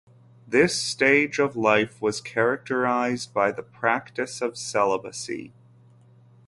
This stage of life was characterized by the practice of celibacy.